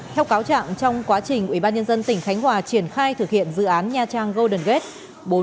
theo cáo trạng trong quá trình ubnd tỉnh khánh hòa triển khai thực hiện dự án nha trang golden gate